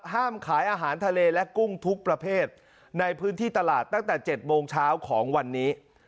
ห้ามขายอาหารทะเลและกุ้งทุกประเภทในพื้นที่ตลาดตั้งแต่๗โมงเช้าของวันนี้